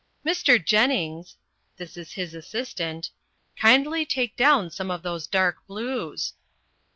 "Mr. Jennings" (this is his assistant), "kindly take down some of those dark blues.